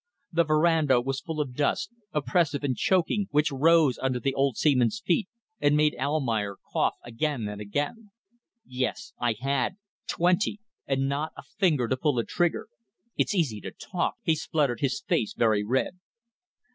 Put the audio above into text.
The verandah was full of dust, oppressive and choking, which rose under the old seaman's feet, and made Almayer cough again and again. "Yes, I had! Twenty. And not a finger to pull a trigger. It's easy to talk," he spluttered, his face very red.